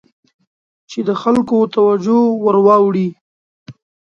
چې د خلکو توجه ور واړوي.